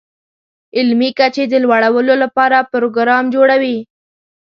علمي کچې د لوړولو لپاره پروګرام جوړوي.